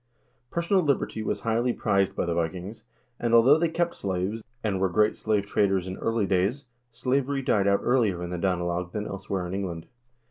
Personal liberty was highly prized by the Vikings, and, although they kept slaves, and were great slave traders in early days, slavery died out earlier in the Danelag than elsewhere in England.